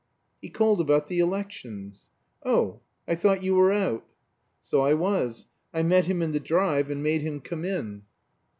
"He called about the elections." "Oh I thought you were out?" "So I was. I met him in the drive and made him come in."